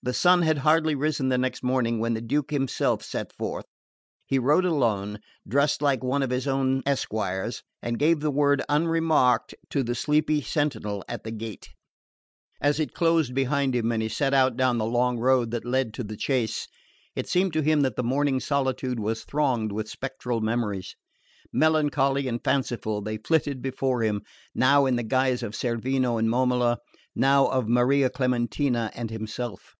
The sun had hardly risen the next morning when the Duke himself set forth. He rode alone, dressed like one of his own esquires, and gave the word unremarked to the sleepy sentinel at the gate. As it closed behind him and he set out down the long road that led to the chase, it seemed to him that the morning solitude was thronged with spectral memories. Melancholy and fanciful they flitted before him, now in the guise of Cerveno and Momola, now of Maria Clementina and himself.